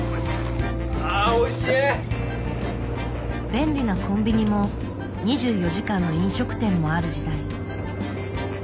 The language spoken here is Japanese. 便利なコンビニも２４時間の飲食店もある時代。